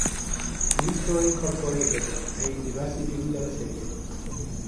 Mystery Incorporated" e in diversi film della serie.